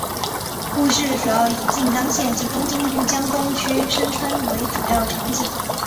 故事主要以静冈县及东京都江东区深川为主要场景。